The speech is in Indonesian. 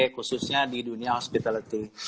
khususnya di dunia hospitality